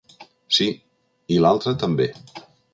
Sí, i l'altre també.